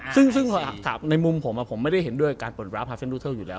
ซึ่งในมุมผมผมไม่ได้เห็นด้วยการเปิดร้านพาเซนดูเทิลอยู่แล้ว